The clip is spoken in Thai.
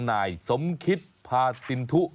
นายสมคิตพาตินทุ